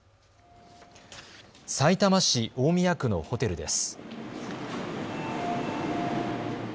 さいたま市大宮区のホテルです。